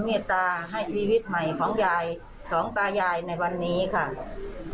เมตตาให้ชีวิตใหม่ของยายสองตายายในวันนี้ค่ะ